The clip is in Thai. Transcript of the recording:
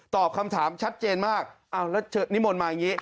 ตอบคำถามชัดเจนมากอ้าวแล้วนิมนต์มาอย่างนี้